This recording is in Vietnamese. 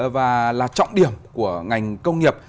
và là trọng điểm của ngành công nghiệp